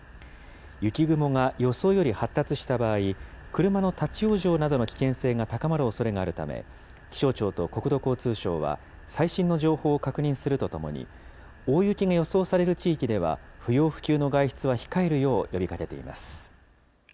雪雲が予想より発達した場合、車の立往生などの危険性が高まるおそれがあるため、気象庁と国土交通省は、最新の情報を確認するとともに、大雪が予想される地域では、不要不急の外出は控えるよう呼びかけています。